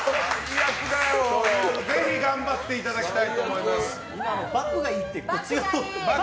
ぜひ頑張っていただきたいとバッグがいい！